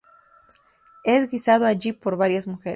Es guisado allí por varias mujeres.